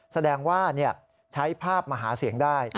แสดงว่าใช้ภาพมาหาเสียงได้